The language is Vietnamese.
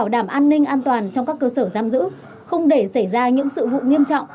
đảm an ninh an toàn trong các cơ sở giam giữ không để xảy ra những sự vụ nghiêm trọng